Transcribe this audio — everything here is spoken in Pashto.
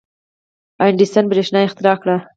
• اډیسن برېښنا اختراع کړه.